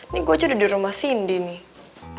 nih gue aja udah di rumah cindy nih